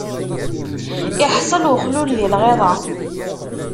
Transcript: Iḥṣel uxlul di lɣiḍa.